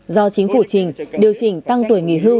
do chính phủ trình điều chỉnh tăng tuổi nghỉ hưu